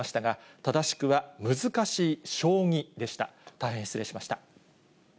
大変失礼しました。